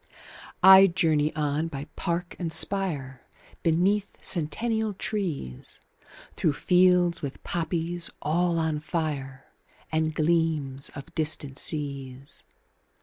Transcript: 20 I journey on by park and spire, Beneath centennial trees, Through fields with poppies all on fire, And gleams of distant seas.